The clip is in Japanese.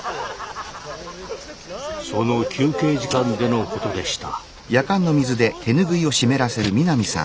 その休憩時間でのことでした。